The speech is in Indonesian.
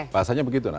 bahasanya begitu nah